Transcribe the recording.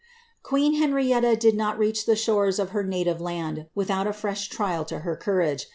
Queen Henrietta did not reach the shores of her native land without a fresh trial to her courage.